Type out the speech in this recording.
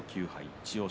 千代翔